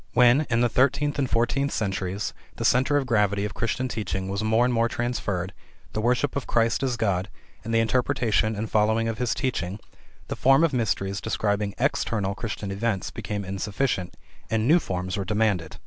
When, in the thirteenth and fourteenth centuries, the center of gravity of Christian teaching was more and more transferred, the worship of Christ as God, and the interpretation and following of His teaching, the form of Mysteries describing external Christian events became insufficient, and new forms were demanded.